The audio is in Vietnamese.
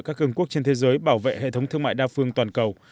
các cường quốc trên thế giới bảo vệ hệ thống thương mại đa phương toàn cầu